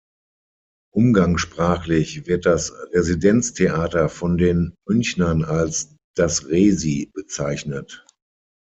Umgangssprachlich wird das Residenztheater von den Münchnern als „das Resi“ bezeichnet.